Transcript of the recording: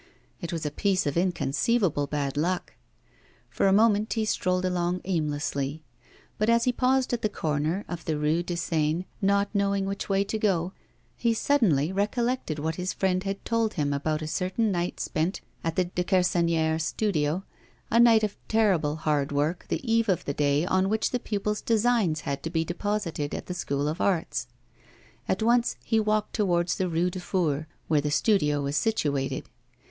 It was a piece of inconceivable bad luck. For a moment he strolled along aimlessly; but, as he paused at the corner of the Rue de Seine, not knowing which way to go, he suddenly recollected what his friend had told him about a certain night spent at the Dequersonnière studio a night of terrible hard work, the eve of the day on which the pupils' designs had to be deposited at the School of Arts. At once he walked towards the Rue du Four, where the studio was situated.